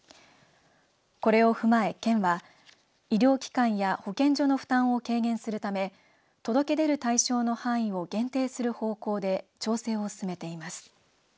これを踏まえ、県は医療機関や保健所の負担を軽減するため届け出る対象の範囲を限定する方向で調整を進めています。